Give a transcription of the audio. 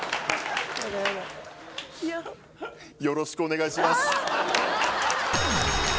よろしくお願いします